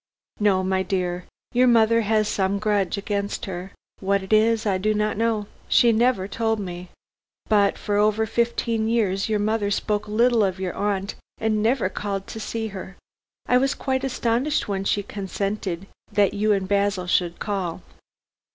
"No, my dear. Your mother has some grudge against her. What it is I do not know. She never told me. But for over fifteen years your mother spoke little of your aunt and never called to see her. I was quite astonished when she consented that you and Basil should call.